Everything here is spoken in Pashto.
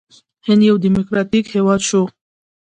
هند یو ډیموکراټیک هیواد شو.